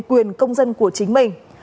quyền công dân của chính mình